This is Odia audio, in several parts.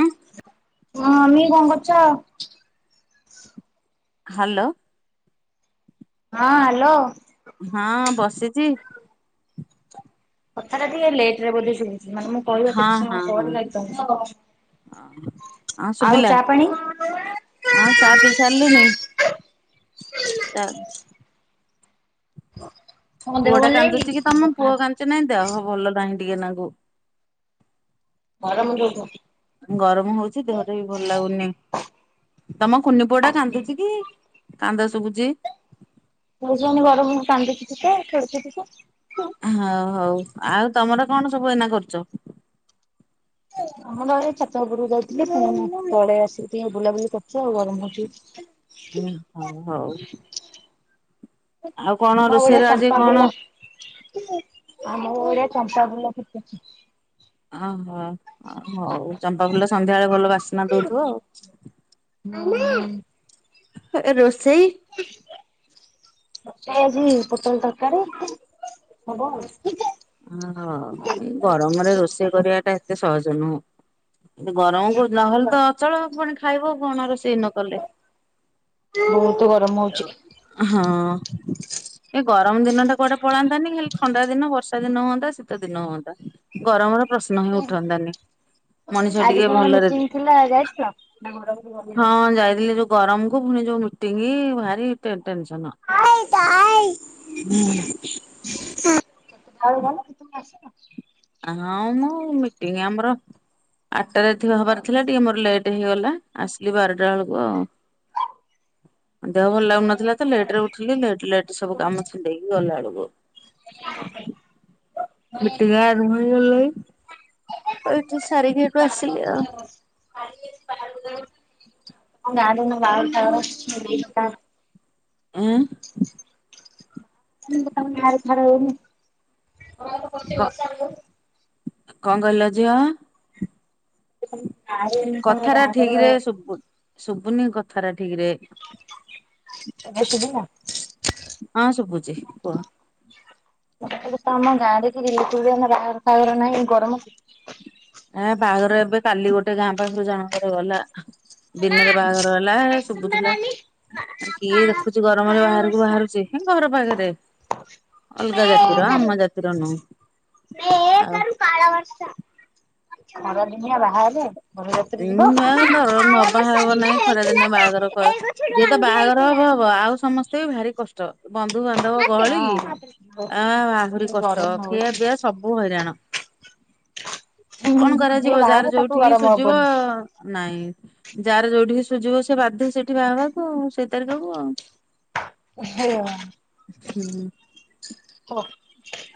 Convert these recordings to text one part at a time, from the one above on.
ଉଁ ମାମି କଣ କରୁଛ? ହ୍ୟାଲୋ। ହଁ ହ୍ୟାଲୋ। ହଁ ବସିଛି। କଥାଟା ଟିକେ ଲେଟ ରେ ବୋଧେ ଶୁଭୁ ମାନେ ମୁଁ କହିବା ହଁ କେତେ ହଁ ସମୟ ହଁ। ପରେ ଯାଇକି ପହଞ୍ଚୁଛି ହଁ ଆଉ ଶୁଭିଲା ଚା ପାଣି? ହଁ ଚା ପିଇ ସାରିଲିନି ଚା। ତମ ଦେହ ପୁଅ ଟା ଭଲ ନାହିଁ କାନ୍ଦୁଛି କି ତମ ପୁଅ କାନ୍ଦୁେ ନାହିଁ ଦେହ ଭଲ ନାହିଁ ଟିକେ ନାଙ୍କୁ। ଗରମ୍ ଯୋଗୁ। ଗରମ ହଉଛି ଦେହ ଟିକେବି ଭଲ ଲାଗୁନି ତମ କୁନି ପୁଅଟା କାନ୍ଦୁଛି କି? କାନ୍ଦ ଶୁଭୁଛି। [unintelligible] ଗରମ କୁ କାନ୍ଦୁଛି ଟିକେ ଖେଳୁଛି ଟିକେ। ହଁ ହଉ। ଆଉ ତମର କଣ ସବୁ ଏଇନା କରୁଚ? ଆମର ଏଇ ଛା ଛାତ ଉପରକୁ ଯାଇଥିଲି ପୁଣି ପଳେଇ ଆସିକି ଟିକେ ବୁଲାବୁଲି କରୁଚୁ ଆଉ ଗରମ ହଉଚି। ହୁଁ ହଁ ହଉ। ଆଉ କଣ ରୋଷେଇର [unintelligible] ଆଜି ଚମ୍ପା କଣ ଫୁଲ ଆମର ବଢିଆ ଚମ୍ପା ଫୁଲ ଫୁଟୁଚି। ଅ ହଁ ଅ ହଉ। ଚମ୍ପା ଫୁଲ ସନ୍ଧ୍ୟାବେଳେ ଭଲ ବାସ୍ନା ଦଉଥିବ ଆଉ। ମାମା। ରୋଷେଇ? [inaudible] ତରକାରୀ ଆଜି ପୋଟଳ ତରକାରୀ ହବ ଆଉ। ହଁ, ଏଇ ଗରମରେ ରୋଷେଇ କରିବା ଟା ଏତେ ସହଜ ନୁହଁ। ଏଇ ଗରମ କୁ ନହେଲେ ତ ଅଚଳ। ପୁଣି ଖାଇବ କଣ ରୋଷେଇ ନ କଲେ। ବହୁତୁ ଗରମ ହଉଚି। ହଁ। ଏ ଗରମ ଦିନ ଟା କୁଆଡେ ପଳାନ୍ତାନି ଖାଲି ଥଣ୍ଡା ଦିନ ବର୍ଷା ବର୍ଷା ଦିନ ହୁଅନ୍ତା ଶୀତ ଦିନ ହୁଅନ୍ତା। ଗରମର ପ୍ରଶ୍ନ ହିଁ ଉଠନ୍ତାନି। ମଣିଷ ଟିକେ ଭଲରେ [unintelligible] ଯାଇଥିଲ? ହେଟା ଘରକୁ ଯିବ। ହଁ ଯାଇଥିଲି ଯୋଉ ଗରମ କୁ ପୁଣି ଯୋଉ ମିଟିଙ୍ଗ ଭାରି ଟେ ଟେନସନ। [unintelligible] ହଁ ମ ମିଟିଂ ଆମର ଆଠଟାରେ ଥିବା ହବାର ଥିଲା ଟିକେ ମୋର ଲେଟ୍ ହେଇଗଲା ଆସିଲି ବାରଟା ବେଳକୁ ଆଉ। ଦେହ ଭଲ ଲାଗୁନଥିଲା ତ, ଲେଟ୍ ରେ ଉଠିଲି ଲେଟ୍ ଲେଟ୍ ସବୁ କାମ ଛିଣ୍ଡେଇ ଗଲାବେଳକୁ। ମିଟିଂ ଆ [unintelligible] ଆଉ ଏଠି ସାରିକି ହେଠୁ ଆସିଲି ଆଉ। ଆମ ଗାଁ ରେ ଏଇନା ବାହାଘର ଫାହାଘର। [unintelligible] ଏଁ କ [unintelligible] କଣ କହିଲ ଝିଅ? [unintelligible] କଥାରା ବାହାଘର ଠିକ୍ ରେ ଶୁବୁ ଶୁବୁନି କଥାରା ଠିକ୍ ରେ? ଏବେ ଶୁବିଲା? ହଁ ଶୁବୁଚି କୁହ। କହିଲି ତମ ଗାଁରେ କିଏ ରିଲେଟିଭ୍ ଏଇନା ବାହାଘର ଫାହାଘର ନାହିଁ ଗରମକୁ ଆଁ ବାହାଘର ଏବେ କାଲି ଗୋଟେ ଗାଁ ପାଖରୁ ଜଣଙ୍କର ଗଲା। ଦିନରେ ବାହାଘର ହେଲା ଆସନ୍ତା ଶୁବୁଥିଲା। କାଲି ଆ କିଏ କାଳ ଦେଖୁଚି ଗରମରେ କାଳ ବାହାରକୁ ବର୍ଷା ବାହାରୁଚି। ହେ ଘର ପାଖରେ। ମେ ଅଲଗା ଜାତିର ଆମ ଜାତିର ନୁହଁ। ଆଉ [unintelligible] ଖରା ଦିନିଆ ବାହା ହେଲେ ଉଁ ବରଯାତ୍ରୀ ଯିବ। ଡର ନ ବାହାହବ ନାହିଁ ଖରାଦିନେ ବାହାଘର କ ଗଛରୁ ଯିଏ ତ ଭାଙ୍ଗି ବାହାଘର ଯାଇଥିଲା। ହବ ହବ। ଆଉ ସମସ୍ତେ ବି ଭାରି କଷ୍ ଷ୍ଟ। ବନ୍ଧୁବାନ୍ଧବ ଗହଳି କି ହଁ ଆ ଆହୁରି ଯୋଉ କଷ୍ଟ। ଗରମ ଖିଆ ହଉଛି। ପିଆ ସବୁ ହଇରାଣ। କଣ କରାଯିବ ଯିଏ ଯାହାର ବାହାହବ ତାକୁ ଯୋଉଠିକି ଗରମ ସୁଝିବ ହବନି। ନାଇଁ। ଯାହାର ଯୋଉଠି କି ସୁଝିବ ସେ ବାଧ୍ୟ ସେଠି ବାହା ହବାକୁ ଆଉ, ସେଇ ତାରିଖକୁ ଆଉ। [unintelligible] ହ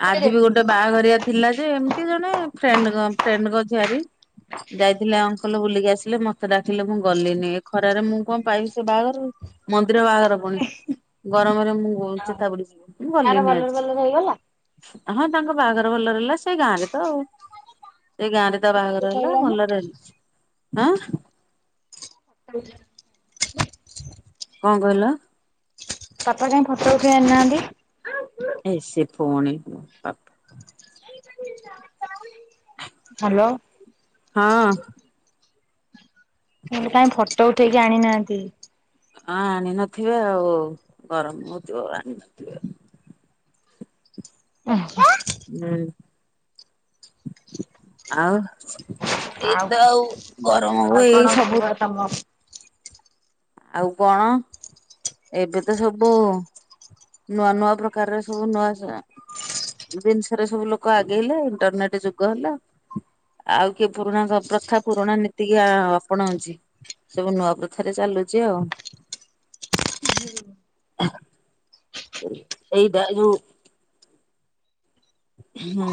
କହିଦେ ଆଜି ବି ଗୋଟେ ବାହାଘରିଆ ଥିଲା ଯେ ଏମିତି ଜଣେ ଫ୍ରେଣ୍ଡ ଙ୍କ ଫ୍ରେଣ୍ଡଙ୍କ ଝୀଆରିି ଯାଇଥିଲେ ଆମ୍ ଭଲ ବୁଲିକି ଆସିଲେ ମତେ ଡାକିଲେ ମୁଁ ଗଲିନି ଏ ଖରାରେ ମୁଁ କଣ ପାଇବି ସେ ବାହାଘରୁ। ମନ୍ଦିର ବାହାଘର ପୁଣି ଗରମରେ ମୁଁ ଚେତା ପୁଡ଼ି ଯିବି। ମୁଁ ବାଆର ଗଲିନି ଭଲରେ ଆଜି। ଭଲରେ ହେଇଗଲା? ହଁ ତାଙ୍କ ବାହାଘର ଭଲ ହେଲା ସେଇ ଗାଁରେ ତ ଆଉ। ସେଇ ଗାଁରେ ତା ବାହାଘର ହେଲା କହିଲାନି ଭଲରେ ହେଇଛି ଆଁ। [unintelligible] କଣ କହିଲ? ତାପା ଯାଏ ଫଟୋ ଉଠେଇ ଆଣିନାହାନ୍ତି। ଏ ସେ ଫୁଣି ପା ମୁଁ ହ୍ୟାଲୋ। ହଁ। ମୁଁ କହିଲି କାହିଁ ଫଟୋ ଉଠେଇକି ଆଣିନାହାନ୍ତି। ହଁ ଆଣି ନଥିବେ ଆଉ ଗରମ ହଉଥିବ ଆଉ ଆଣି ନଥିବେ। ହଁ [unintelligible] ହୁଁ ଆଉ ଏଇ ତ ଆଉ ଗରମ ଆଉ ହ କଣ ଏଇ କୁହ ସବୁ ତମ ଆଉ କଣ? ଏବେ ତ ସବୁ ନୂଆ ନୂଆ ପ୍ରକାରର ସବୁ ନୂଆ ସ ଜିନିଷରେ ସବୁ ଲୋକ ଆଗେଇଲେ ଇଣ୍ଟରନେଟ ଯୁଗ ହେଲା। ଆଉ କିଏ ପୁରୁଣା ପ୍ରଥା ପୁରୁଣା ନୀତିକି ଅପଣାଉଛି। ସବୁ ନୂଆ ପ୍ରଥାରେ ଚାଲୁଛି ଆଉ। ହୁଁ [unintelligible] ଏଇଟା ଯୁ ହୁଁ।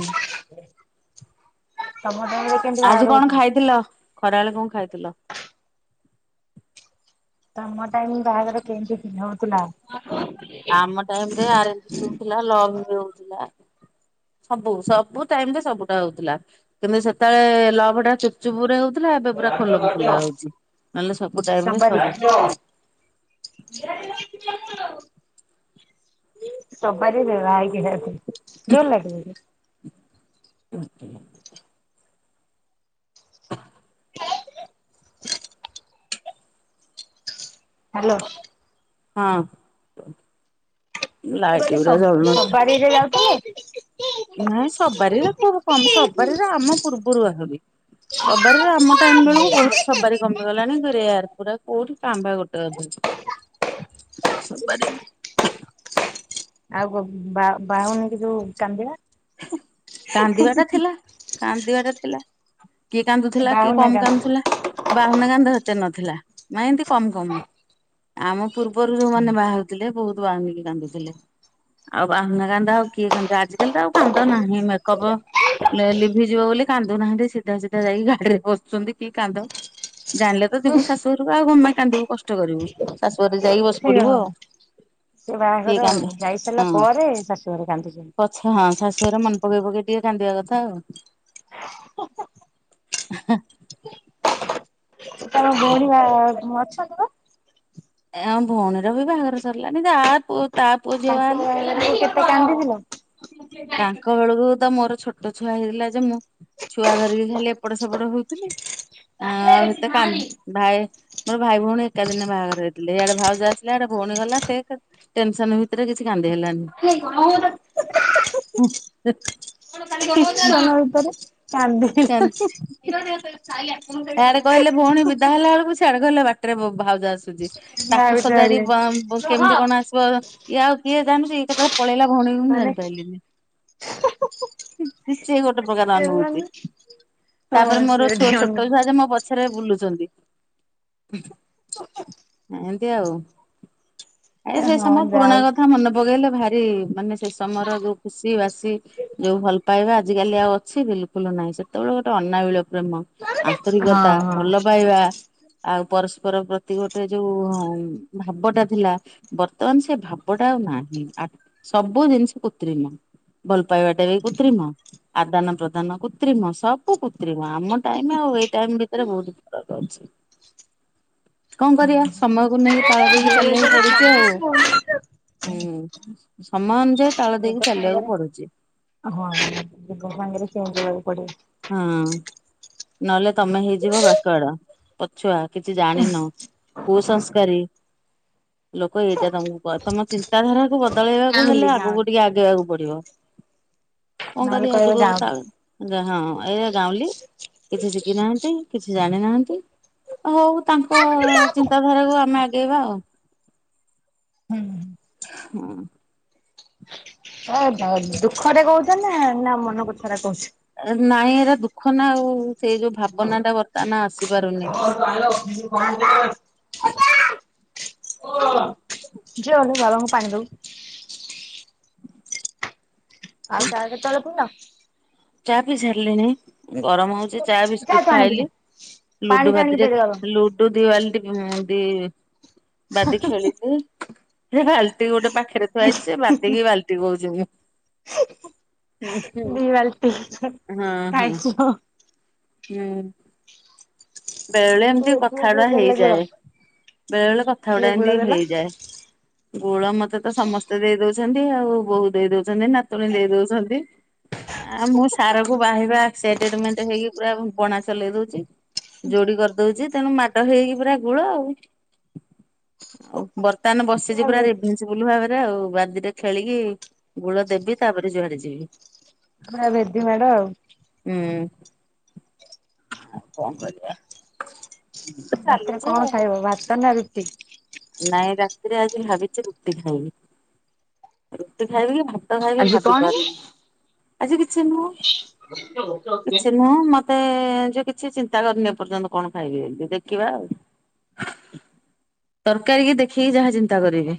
ତମ ଟାଇମ୍ ରେ କେମିତି ଆଜି ବାହାଘର କଣ ହଉଥିଲା? ଖାଇଥିଲ? ଖରାବେଳେ କଣ ଖାଇଥିଲ? ତମ ଟାଇମ ବାହାଘର କେମିତି କିନି ହଉଥିଲା। ଆମ ଟାଇମୀ ରେ ଆରେଜ ବି ହଉଥିଲା ଲଭ ବି ହଉଥିଲା। ସବୁ ସବୁ ଟାଇମରେ ସବୁଟା ହଉଥିଲା କିନ୍ତୁ ସେତେବେଳେ ଲଭଟା ଚୁପଚୁପ ରେ ହଉ ଏବେ ପୁରା ଖୋଲମ୍ ଖୋଲା ହଉଛି ନହେଲେ ସବୁ ଟାଇମ ରେ ସବାରି ସବୁ ସବାରିରେ ବହା ହେଇ [unintelligible] ଜୋର ଲାଗିବ। କି [unintelligible] ହାଲୋ। ହଁ ଲାଇଟ ଉରା ଜଳୁନଥିଲା। ସେ ଯାଉଥିଲେ। ନାଇଁ ସବାରିରେ ଖୁବ କମ ସବାରିରେ ଆମ ପୂର୍ବରୁ ଆହୁରି। ସବାରିରେ ଆମ ଟାଇମ ବେଳକୁ ବହୁତ ସବାରି କମି ଗଲାଣି ପୁରା ରେଆର କଉଠି କାଁ ଭାଁ ଗୋଟେ [unintelligible] ଆଉ ବା ବା ବାହୁନି କି ଯୋଉ କାନ୍ଦିବା। କାନ୍ଦିବା ଟା ଥିଲା କାନ୍ଦିବା ଟା ଥିଲା। କିଏ କାନ୍ଦୁଥିଲା କିଏ ବାହୁନା କମ କାନ୍ଦ କାନ୍ଦୁଥିଲା ବାହୁନା କାନ୍ଦ ହେତେ ନଥିଲା ନାଇ ଏମିତି କମ କମ ଆମ ପୂର୍ବରୁ ଯୋଉମାନେ ବାହା ହଉଥିଲେ ବହୁତ ବାହୁନିକି କାନ୍ଦୁଥିଲେ। ଆଉ ବାହୁନା କାନ୍ଦ ଆଉ କିଏ କନ୍ଦୁଚି ଆଜିିକାଲି ତ ଆଉ କାନ୍ଦ ନାହିଁ ମେକପ ଲେ ଲିଭିଯିବ ବୋଲି କାନ୍ଦୁ ନାହାନ୍ତି ସିଧା ସିଧା ଯାଇି ଗାଡିରେ ବସୁଛନ୍ତି କି କାନ୍ଦ ଜାଣିଲେ ତ ହଁ। ଯିବୁ ଶାଶୁଘରକୁ ଆଉ କଣ ପାଇଁ କାନ୍ଦିବୁ କଷ୍ଟ କରିବୁ ଶାଶୁଘରେ ଯାଇ ବସି ପଡିବୁ ଆଉ। ସେ କିଏ ବାହାଘର କାନ୍ଦେ ଯାଇସାରିଲା ହଁ ପରେ ଶଷୁ ଘରେ କାନ୍ଦୁଛନ୍ତି। ପଛେ ହଁଶ୍ ଶାଶୁଘରେ ମନ୍ ପକେଇ ପକେଇ ଟିକେ କାନ୍ଦିବା କଥା ଆଉ। ତମ ଆଉ। ଭଉଣୀ ବା ଅଛନ୍ତି ପା। ଏ ଆମ ଭଉଣୀର ବି ବାହାଘର ସର୍ଲାଣି ତା ପୁଅ ତା ପୁଅ ଝିଅ ବାହା ହେଲେଣି ଆଉ। ତ କାନ୍ଦିଥିଲ। ତାଙ୍କ ବେଳକୁ ତ ମୋର ଛୋଟ ଟୋ ଛୁଆ ହେଇଥିଲା ଯେ ମୁଁ ଛୁଆ ଧରିକି ଖାଲି ଏପଟ ସେପଟ ହଉଥିଲି। ଆଉ ଏତେ କାନ୍ଦି ଭାଇ ମୋର ଭାଇ ଭଉଣୀ ଏକା ଦିନେ ବାହାଘର ହେଇଥିଲେ ଇଆଡେ ଭାଉଜ ଆସିଲା ଆଡେ ଭଉଣୀ ଗଲା ଟେକ୍ ଟେନସନ ବି ରେ କିଛି କାନ୍ଦି ହେଲାନି। ଟେନସନ ଭିତରେ କାନ୍ଦିହେଲାନି। ଆଡେ ଗଲେ ବାଟରେ ଭାଉଜ ଆସି ଯାହା ତାକୁ ବି କହିଲେ। ସଜାଡିବ କେମିତି କଣ ଆସିବ ଇଏ ଆଉ କିଏ କାନ୍ଦୁଚି। କେତେବେ ପଳେଇଲା ଭଉଣୀ ମୁଁ ମାନେ ଜାଣିପାରିଲିନି। ନିଶ୍ଚୟ ଗୋଟେ ଖୁସି ପ୍ରକାର ଅନୁଭୂତି। ହେଲାନି ତାପରେ ହଁ ସିଏ ମୋର ଏଠି ଛୁଆ ଅନଉ ଛୋଟ ଛୁଆ ଯେ ମୋ ପଛରେ ବୁଲୁଚନ୍ତି। ଏମତି ଆଉ ଏ ସେ ହଁ ସମୟ ଯା ପୁରୁଣା ହଉ। କଥା ମନେ ଭୋଗେଇଲେ ଭାରି ମାନେ ସେ ସମୟର ଯୋଉ ଖୁସି ବାସି। ଯୋଉ ଭଲ ପାଇବା ଆଜିିକାଲି ଆଉ ଅଛି ବିଲକୁଲ ନାହିଁ ସେତେବେଳେ ଗୋଟେ ଅନାବିଳ ପ୍ରେମ। ହଁ ଆନ୍ତରିକତା ହଁ ଭଲ ପାଇବା ଆଉ ପରସ୍ପର ପ୍ରତି ଗୋଟେ ଯୋଉ ଭାବଟା ଥିଲା। ବର୍ତ୍ତମାନ ସେ ଭାବଟା ଆଉ ନାହିଁ ଆ ସବୁ ଜିନିଷ କୁତ୍ରିମ। ଭଲ ପାଇବାଟା ବି କୃତ୍ରିମ ଆଦାନ ପ୍ରଦାନ କୃତ୍ରିମ ସବ ବୁ କୁତ୍ରିମ ଆମ ଟାଇମ ଆଉ ଏଇ ଟାଇମ ଭିତରେ ବହୁତ ଫରକ ଅଛି। କଣ କରିବା ସମୟକୁ ନେଇକି ତାଳ ଦେଇକି ଦୁଇ ଚାଲିବାକୁ ହଜାର ପଡୁଛି ଆଉ। ଛବିଶ ହୁଁ ସମୟ ଅନୁଯାଇ ଯୁଗ ସାଙ୍ଗରେ ହଁ ଯୁ ଯୁଗ ସାଙ୍ଗରେ ଚେଞ୍ଜ ହେବାକୁ ପଡିବ। ହୁଁ ନହେଲେ ତମେ ହେଇଯିବ ବ୍ୟାକୁଆଡ ପଛୁଆ। କିଛି ଜାଣିନ କୁ ସଂସ୍କାରୀ ଲୋକ ଏଇଟା ତମକୁ କହ ତମ ଚିନ୍ତାଧାରାକୁ ବଦଳେଇବାକୁ ଗାଉଁଲି ହେଲେ ଆଗକୁ ଗାଉଁଲି ଟିକେ ଆଗେଇବାକୁ ପଡିବ। କଁ ନହେଲେ କରିବା କହିବେ ଜୁଗକୁ ଗାଉଁଲି। ତାଳ ଯାହା ହଁ। ଅ ଏଇ ଆ ଗାଉଁଲି କିଛି ଶିଖି ନାହାନ୍ତି କିଛି ଜାଣି ନାହାନ୍ତି। ହଉ ତାଙ୍କ ଚିନ୍ତାଧାରାକୁ ଆମେ ଆଗେଇବା ଆଉ। ହୁଁଁହୁଁ। ହଁ। ହଉ ହଉ ଦୁଃଖରେ କହୁଛ ନା ନା ମନ କଥା ରା କହଚୁ। ନାଇଁ ଏରା ଦୁଃଖ ନା ଆଉ ସେଇ ଯୋଉ ଭାବନା ଟା ବର୍ତ୍ତମାନ ଆସିପାରୁନି। [unintelligible] ଝିଅ ଗଲୁ ବାବାଙ୍କୁ ପାଣି ଦବୁ। ଆଉ ଚା କେତେବେଳେ ପିଇଲ। ଚା ପି ସାରିଲିଣି ଗରମ ହଉଚି ଚା ବିସ୍କିଟ ତୁ ଆଣିବୁ ଖାଇଲି ଯା ପାଣି ଲୁଡୁ ଟା ଭାଦି ଆଣିକି ଯେ ଦେଇଦେ ବାବାଙ୍କୁ ଲୁ ଡୁ ଦି ବାଲିଟ ଦି ବାଦି ଖେଳିବି। ସେ ବାଲ୍ଟି ଗୋଟେ ପାଖରେ ଥୁଆ ହେଇଛି ସେ ବାତିକି ବାଲ୍ଟି କହୁଚି ମୁଁ। ଦି ବାଲଟି ହୁଁ। ହଁ ହଁ ହୁଁ। ବେଳେ ବେଳେ ଏମିତି କିଏ କିଏ କଥା କିଏ ଗୁଡା ଦେଲେ ଗୁଳ ହେଇଯାଏ ବେଳେ ବେଳେ କଥା ଗୁଡା କିଏ ଗୁଳ ଏମିତି ବ ଦେଲା ହେଇଯାଏ। ଗୁଳ ମତେ ତ ସମସ୍ତେ ଦେଇ ଦଉଛନ୍ତି ଆଉ ବୋହୁ ଦେଇ ଦଉଛନ୍ତି ନାତୁଣୀ ଦେଇ ଦଉଛନ୍ତି। ଆ ମୁଁ ସାର୍ଙ୍କୁ ବାହିବା ଏକସାଇଟେଡ଼ ମେଣ୍ଟ ହେଇକି ପୁରା ବଣା ଚଲେଇ ଦଉଛି। ଯୋଡି କରିଦଉଛି ତେଣୁ ମାଡ ହେଇକି ପୁରା ଗୁଳ ଆଉ। ଆଉ ବର୍ତ୍ତମାନ ବସି ବସିଚି ପୁରା ରେଭିନ୍ସ ପୁଲ ଭାବରେ ଆଉ ବାଦିଟେ ଖେଳିକି ଗୁଳ ଦେବି ତାପରେ ଜୁଆଡେ ଯିବି। ପୁରା ଭେଦି ମାଡ ଆଉ। ହୁଁ ଆଉ କଣ କରି ରାତିରେ ଆଉ। କଣ ଖାଇବ ଭାତ ନା ରୁଟି? ନାଇଁ ରାତିରେ ଆଜି ଭାବିଛି ରୁଟି ଖାଇବି ରୁଟି ଖାଇବି କି ଭା ଭାତ ଖାଇବି ଭାବି ପାରୁନି ଆଜି କିଛି ନୁହଁ କିଛି ନୁହଁ ମ ମତେ ଯେ କିଛି ଚିନ୍ତା କରିନି ଏପର୍ଯ୍ୟନ୍ତ କଣ ଖାଇବିବୋଲି ଦେଖିବା ଆଉ। ତରକାରୀ କି ଦେଖିକି ଯାହା ଚିନ୍ତା କରିବେ।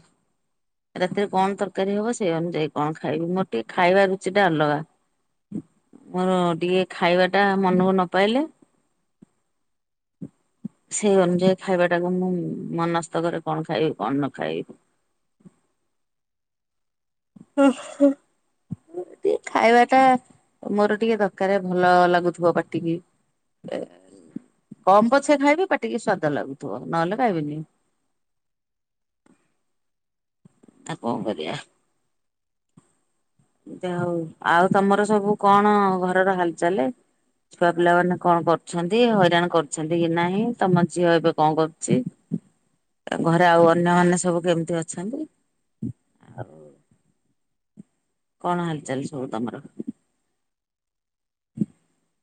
ରାତିରେ କଣ ତରକାରୀ ହବ ସେଇ ଅନୁଯାୟୀ କଣ ଖାଇବି ମୋର ଟିକେ ଖାଇବା ରୁଚି ଟା ଅଲଗା। ମୋର ଟିକେ ଖାଇବା ଟା ମନକୁ ନ ପାଇଲେ ସେଇ ଅନୁଯାୟୀ ଖାଇବା ଟାକୁ ମୁଁ ମନସ ମନସ୍ତ କରେ ଖାଇବି କଣ ନ ଖାଇବି। ଓହୋ ହୋ। ଟିକେ ଖାଇବା ଟା ମୋର ଟିକେ ଦରକାର ଭଲ ଲାଗୁଥିବ ପାଟିକି। କମ୍ ପଛେ ଖାଇବି ପାଟିକି ସ୍ଵାଦ ଲାଗୁଥିବ ନହେଲେ ଖାଇବିନି। [inaudible] ଆଉ କଣ କରିଆ। ଯା ହଉ ଆଉ ତମର ସବୁ କଣ ଘରର ହାଲଚାଲେ। ଛୁଆ ପିଲାମାନେ କଣ କରୁଛନ୍ତି ହଇରାଣ କରୁଛନ୍ତି କି ନାହିଁ ତମ ଝିଅ ଏବେ କଣ କରୁଛି। ଘରେ ଆଉ ଅନ୍ୟମାନେ ସବୁ କେମିତି ଅଛନ୍ତି? କଣ ହାଲଚାଲ ସବୁ ତମର? [inaudible]